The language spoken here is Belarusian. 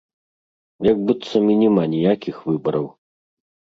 Як быццам і няма ніякіх выбараў!